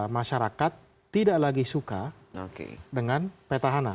masyarakat tidak lagi suka dengan petahana